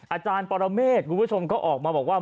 อาจารย์ปรเมฆคุณผู้ชมก็ออกมาบอกว่า